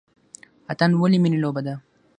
اتن ولې ملي لوبه ده؟